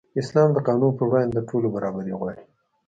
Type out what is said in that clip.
اسلام د قانون پر وړاندې د ټولو برابري غواړي.